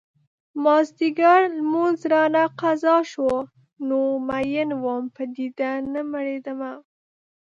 مازديګر لمونځ رانه قضا شو نوی مين وم په دیدن نه مړيدمه